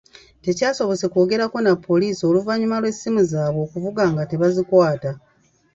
Tekyasobose kwogerako na Poliisi oluvannyuma lw'essimu zaabwe okuvuga nga tebazikwata.